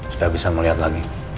sudah bisa melihat lagi